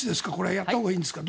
やったほうがいいんですか？